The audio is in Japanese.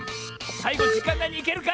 さいごじかんないにいけるか？